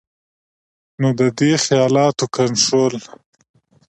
نو د دې خيالاتو کنټرول